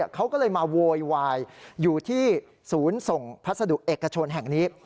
เขาก็เลยมาโวยวายอยู่ที่ศูนย์ส่งพัสดุเอกชนแห่งนี้